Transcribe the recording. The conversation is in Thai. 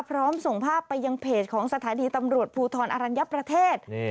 ส่งภาพไปยังเพจของสถานีตำรวจภูทรอรัญญประเทศ